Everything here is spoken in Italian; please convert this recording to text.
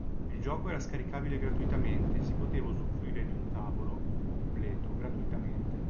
Il gioco era scaricabile gratuitamente e si poteva usufruire di un "tavolo" completo gratuitamente.